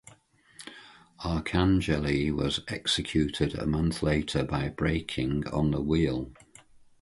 Arcangeli was executed a month later by breaking on the wheel.